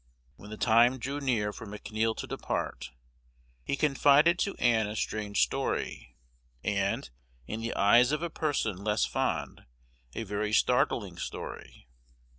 When the time drew near for McNeil to depart, he confided to Ann a strange story, and, in the eyes of a person less fond, a very startling story.